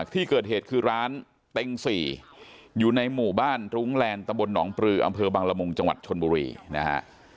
ที่เกิดเหตุคือร้านเต็ง๔อยู่ในหมู่บ้านรุ้งแลนด์ตำบลหนองปลืออำเภอบังละมุงจังหวัดชนบุรีนะฮะ